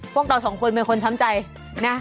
พวกเราสองคนเป็นคนช้ำใจนะ